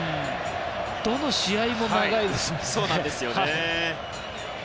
どの試合も長いですもんね。